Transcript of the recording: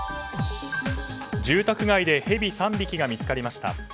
住宅街でヘビ３匹が見つかりました。